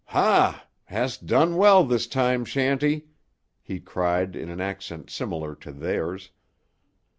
"Ha! Hast done well this time, Shanty," he cried in an accent similar to theirs.